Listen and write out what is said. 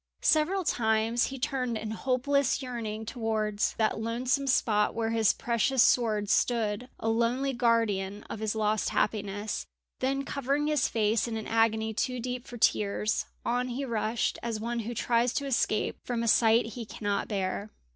Several times he turned in hopeless yearning towards that lonesome spot where his precious sword stood a lonely guardian of his lost happiness; then, covering his face in an agony too deep for tears, on he rushed as one who tries to escape from a sight he cannot bear.